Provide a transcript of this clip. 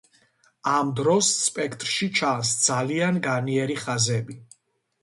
ამ დროს სპექტრში ჩანს ძალიან განიერი ხაზები.